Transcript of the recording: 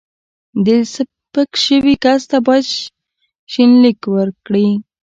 د سپک شوي کس ته باید شیلینګ ورکړي.